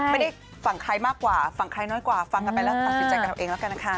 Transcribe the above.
ฝั่งใครมากกว่าฝั่งใครน้อยกว่าฟังกันไปแล้วตัดสินใจกันเอาเองแล้วกันนะคะ